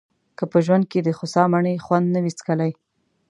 که په ژوند کې دخوسا مڼې خوند نه وي څکلی.